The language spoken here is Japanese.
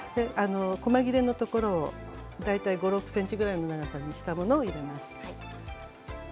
こま切れのところを大体５、６ｃｍくらいの長さにしたものを入れます。